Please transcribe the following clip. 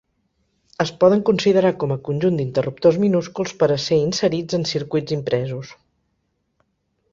Es poden considerar com a conjunt d'interruptors minúsculs per a ser inserits en circuits impresos.